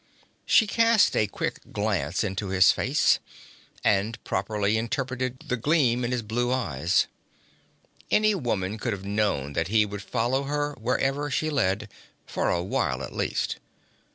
She cast a quick glance into his face, and properly interpreted the gleam in his blue eyes. Any woman could have known that he would follow her wherever she led for a while, at least.